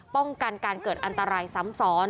ป้องกันการเกิดอันตรายซ้ำซ้อน